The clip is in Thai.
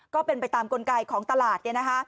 ก็เป็นไปตามกลไกของตลาด